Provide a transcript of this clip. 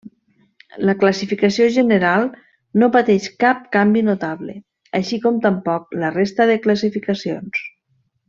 La classificació general no pateix cap canvi notable, així com tampoc la resta de classificacions.